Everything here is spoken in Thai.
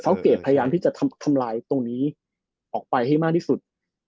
เขาเกรดพยายามที่จะทำลายตรงนี้ออกไปให้มากที่สุด